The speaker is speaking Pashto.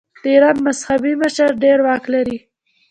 د ایران مذهبي مشر ډیر واک لري.